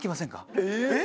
えっ！